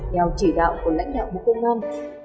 theo chỉ đạo của lãnh đạo bộ công an